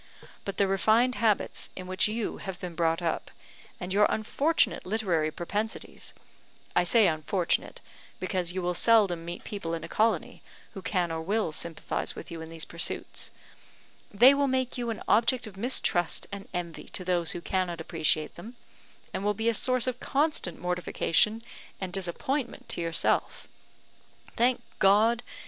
But the refined habits in which you have been brought up, and your unfortunate literary propensities (I say unfortunate, because you will seldom meet people in a colony who can or will sympathise with you in these pursuits) they will make you an object of mistrust and envy to those who cannot appreciate them, and will be a source of constant mortification and disappointment to yourself. Thank God!